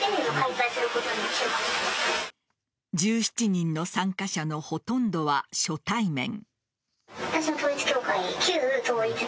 １７人の参加者のほとんどは初対面。